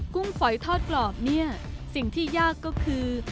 ุ้งฝอยทอดกรอบเนี่ยสิ่งที่ยากก็คือ